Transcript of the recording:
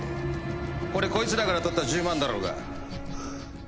これこいつらから取った１０万だろうが。